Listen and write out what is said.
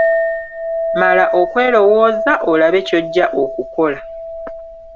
Mala okwerowooza olabe kyojja okukola.